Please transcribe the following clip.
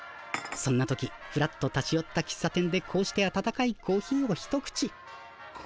そんな時ふらっと立ちよったきっさ店でこうして温かいコーヒーを一口。